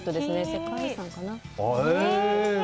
世界遺産かな。